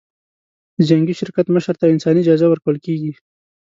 د جنګي شرکت مشر ته انساني جایزه ورکول کېږي.